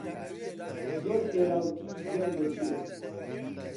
زۆر خێرا و تیژ دێ و دەچێ